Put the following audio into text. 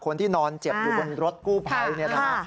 คนที่นอนเจ็บอยู่บนรถกู้ไพรนะครับ